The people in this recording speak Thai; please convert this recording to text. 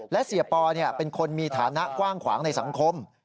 และเสียปอเป็นคนมีฐานะกว้างขวางในสังคม